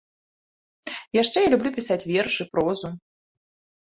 Яшчэ я люблю пісаць вершы, прозу.